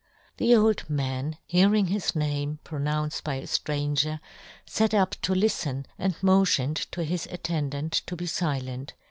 The old man, hearing his name pronounced by a ftranger, fat up to liften, and motioned to his attendant to be filent.